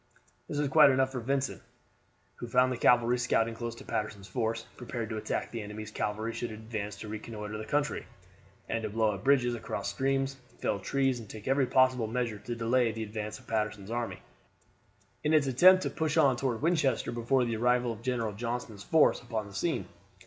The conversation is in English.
This was quite enough for Vincent, who found the cavalry scouting close to Patterson's force, prepared to attack the enemy's cavalry should it advance to reconnoiter the country, and to blow up bridges across streams, fell trees, and take every possible measure to delay the advance of Patterson's army, in its attempt to push on toward Winchester before the arrival of General Johnston's force upon the scene.